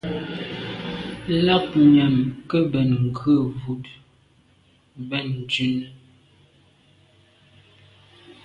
Lagnyam ke mbèn ngù wut ben ndume.